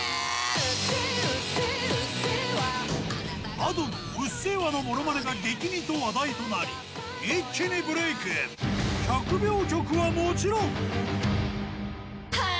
Ａｄｏの「うっせぇわ」のものまねが激似と話題となり一気にブレイクはもちろんはぁ？